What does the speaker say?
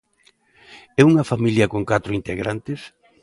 ¿E unha familia con catro integrantes?